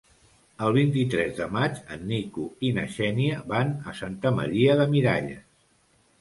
El vint-i-tres de maig en Nico i na Xènia van a Santa Maria de Miralles.